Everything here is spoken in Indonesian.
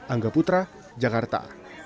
angga putra jakarta